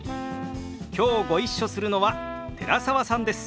きょうご一緒するのは寺澤さんです。